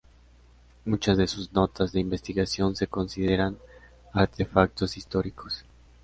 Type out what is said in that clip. Muchas de sus notas de investigación se consideran artefactos históricos.